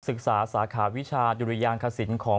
สึกษาสาขาวิชายุริยางกษินตร์ของ